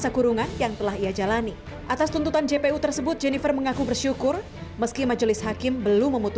menjalani puasa di balik jeruji jennifer pun mengaku rindu suasana puasa di rumah